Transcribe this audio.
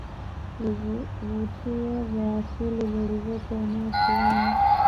vivuvutio vya asili vilivyopo eneo fulani